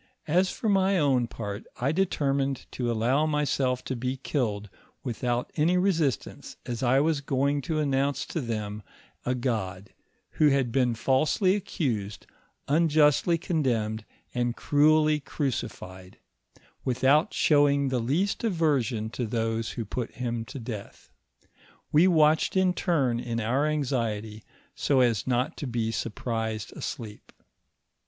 As for my own part, I determined to allow myself to be killed without any resistance, as I was going to an* nonnce to them a God, who had been falsely accused, unjustly condemned, and cruelly crucified, without showing the least aversion to those who put him to death. We watched in turn in our anxiety so as not to be surprised asleep.